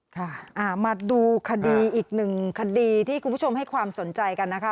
ค่ะอ่ามาดูคดีอีกหนึ่งคดีที่คุณผู้ชมให้ความสนใจกันนะคะ